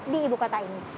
di ibu kota ini